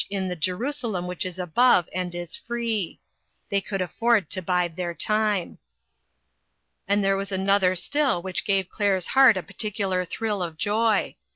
in the " Jerusalem which is above and is free." They could afford to bide their time. And there was another still which gave Claire's heart a peculiar thrill of joy.